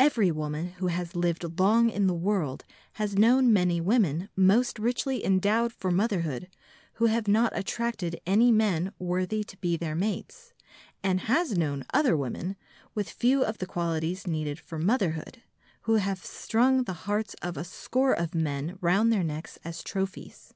Every woman who has lived long in the world has known many women most richly endowed for motherhood who have not attracted any men worthy to be their mates, and has known other women, with few of the qualities needed for motherhood, who have strung the hearts of a score of men round their necks as trophies.